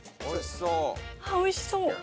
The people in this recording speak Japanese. おいしそう。